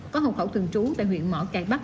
có hậu khẩu thường trú tại huyện mỏ cải bắc